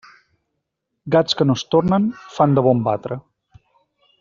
Gats que no es tornen, fan de bon batre.